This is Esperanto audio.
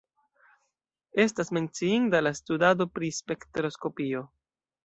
Estas menciinda la studado pri spektroskopio.